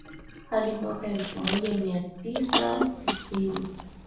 hadi mwaka elfu moja mia tisa tisini